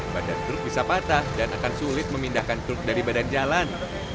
badan truk bisa patah dan akan sulit memindahkan truk dari badan jalan